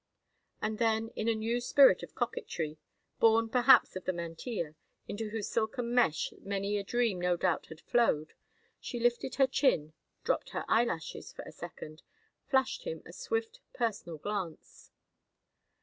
And then, in a new spirit of coquetry, born perhaps of the mantilla, into whose silken mesh many a dream no doubt had flowed, she lifted her chin, dropped her eyelashes for a second, flashed him a swift personal glance.